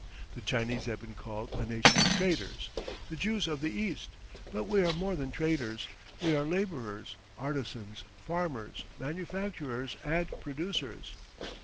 The Chinese have been called a nation of traders, the Jews of the East, but we are more than traders. We are labourers, artisans, farmers, manufacturers, and producers.